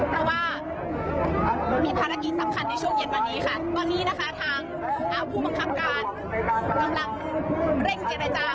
เพราะว่ามีภารกิจสำคัญในช่วงเย็นวันนี้ค่ะตอนนี้นะคะทางผู้บังคับการกำลังเร่งเจรจา